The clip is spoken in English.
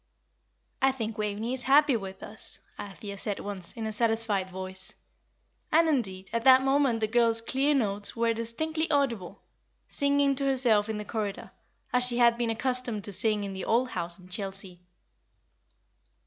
"I think Waveney is happy with us," Althea said, once, in a satisfied voice; and, indeed, at that moment the girl's clear notes were distinctly audible, singing to herself in the corridor, as she had been accustomed to sing in the old house in Chelsea.